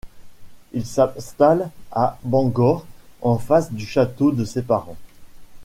Il s'installe à Bangor en face du château de ses parents.